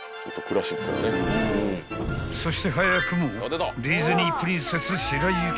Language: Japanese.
［そして早くもディズニープリンセス白雪姫が］